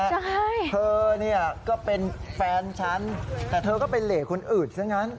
ใช่เธอเนี่ยก็เป็นแฟนฉันแต่เธอก็ไปเหลคนอื่นซะงั้น